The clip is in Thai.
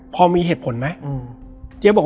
แล้วสักครั้งหนึ่งเขารู้สึกอึดอัดที่หน้าอก